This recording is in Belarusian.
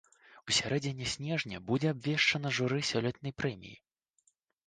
У сярэдзіне снежня будзе абвешчана журы сёлетняй прэміі.